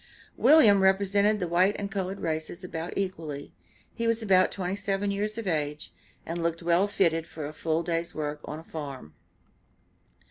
William represented the white and colored races about equally; he was about twenty seven years of age, and looked well fitted for a full day's work on a farm.